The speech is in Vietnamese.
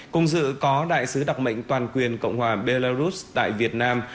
cùng dự có đại sứ đặc mệnh toàn quyền cộng hòa belarus tại việt nam